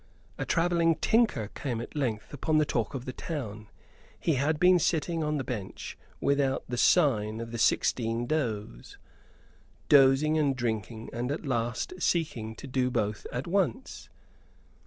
A travelling tinker came at length upon the talk of the town. He had been sitting on the bench without the "Sign of the Sixteen Does," dozing and drinking, and at last seeking to do both at once.